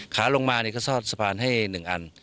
ขาลงมาก็ซอดสะพานให้๑อัน